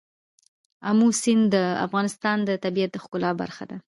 آمو سیند د افغانستان د طبیعت د ښکلا برخه ده.